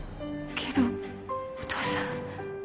けどお父さん。